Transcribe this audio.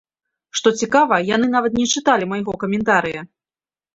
Што цікава, яны нават не чыталі майго каментарыя!